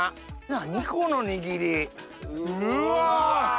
何この握りうわ！